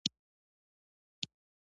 ژوند یوه بهترینه الهی تحفه ده